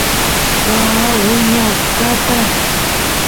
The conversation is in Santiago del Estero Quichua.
waa wiña utkata